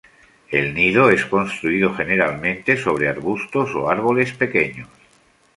El nido es construido generalmente sobre arbustos o árboles pequeños.